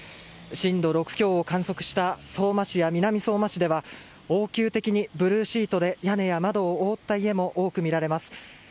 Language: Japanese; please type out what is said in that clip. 震度６強を観測した相馬市や南相馬市では応急的にブルーシートで屋根や窓を覆った家も多く見られます。